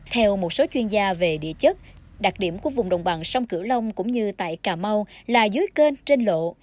theo một số chuyên gia về địa chất đặc điểm của vùng đồng bằng sông cửu long cũng như tại cà mau là dưới kênh trên lộ